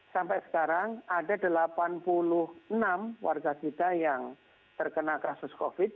sampai sekarang ada delapan puluh enam warga kita yang terkena kasus covid sembilan